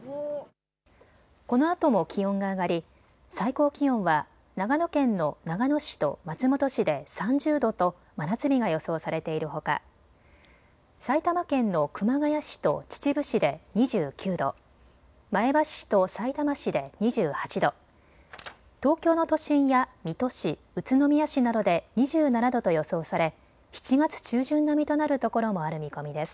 このあとも気温が上がり最高気温は長野県の長野市と松本市で３０度と真夏日が予想されているほか埼玉県の熊谷市と秩父市で２９度、前橋市とさいたま市で２８度、東京の都心や水戸市、宇都宮市などで２７度と予想され７月中旬並みとなるところもある見込みです。